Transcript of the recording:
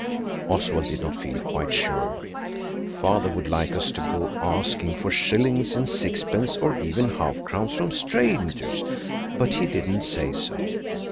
Oswald did not feel quite sure Father would like us to go asking for shillings and sixpences, or even half crowns from strangers, but he did not say so.